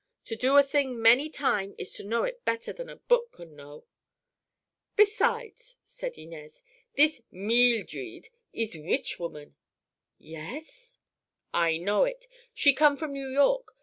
To do a thing many time ees to know it better than a book can know." "Besides," said Inez, "this Meeldred ees witch woman." "Yes?" "I know it. She come from New York.